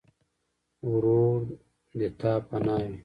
ورور د تا پناه وي.